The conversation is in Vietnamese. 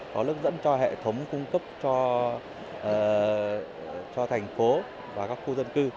có lớp dẫn cho hệ thống cung cấp cho thành phố và các khu dân cư